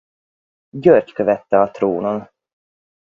György követte a trónon.